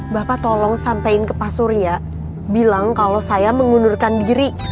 bapak tolong sampaikan ke pak surya bilang kalau saya mengundurkan diri